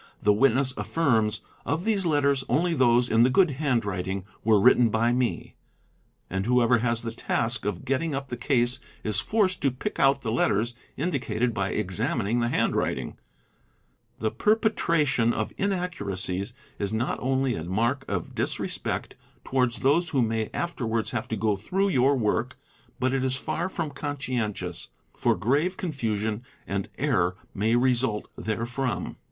the witness affirms, "'of these letters only those in the good handwriting were written by me," and whoever has the task of getting up the case is forced to pick out the letters indicated by exam ining the handwriting. The perpetration of inaccuracies is not only a mark of disrespect towards those who may afterwards have to go through Ron work, but it is far from conscientious, for grave confusion and error _ may result therefrom.